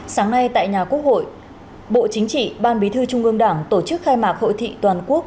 sáng nay tại nhà quốc hội bộ chính trị ban bí thư trung ương đảng tổ chức khai mạc hội thị toàn quốc